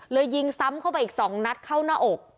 ยิงซ้ำเข้าไปอีก๒นัดเข้าหน้าอก